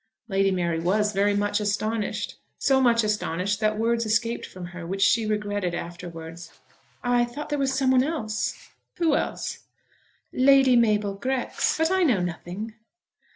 Lady Mary was very much astonished, so much astonished that words escaped from her, which she regretted afterwards. "I thought there was someone else." "Who else?" "Lady Mabel Grex. But I know nothing."